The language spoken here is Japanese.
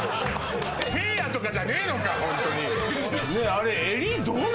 誠也とかじゃねえのかホントに。